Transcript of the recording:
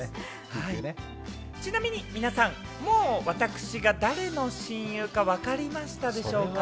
ちなみに皆さん、もう私が誰の親友か分かりましたでしょうか？